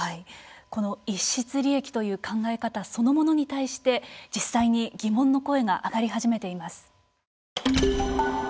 この逸失利益という考え方そのものに対して、実際に疑問の声が上がり始めています。